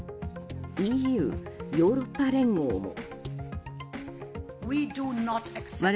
ＥＵ・ヨーロッパ連合も。